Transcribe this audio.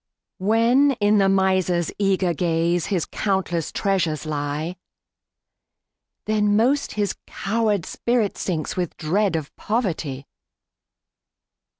When, in the miser's eager gaze, His countless treasures lie, Then most his coward spirit sinks, With dread of poverty.